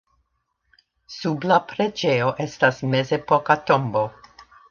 Sub la preĝejo estas mezepoka tombo.